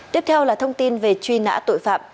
tiếp theo là thông tin về truy nã tội phạm